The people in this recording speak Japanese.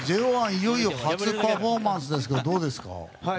いよいよ初パフォーマンスですがどうですか？